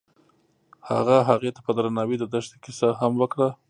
هغه هغې ته په درناوي د دښته کیسه هم وکړه.